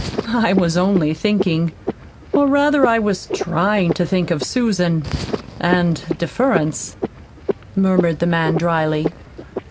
"I was only thinking or rather I was TRYING to think of Susan and deference," murmured the man dryly.